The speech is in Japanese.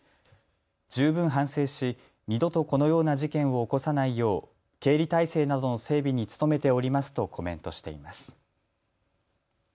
十分反省し、二度とこのような事件を起こさないよう経理体制などの整備に努めておりますとコメントしています。